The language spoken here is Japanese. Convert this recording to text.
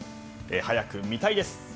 早く見たいです。